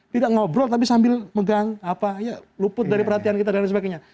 tidak ngobrol tapi sambil megang apa ya luput dari perhatian kita dan sebagainya